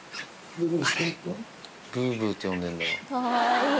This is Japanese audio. ぶーぶーって呼んでんだ。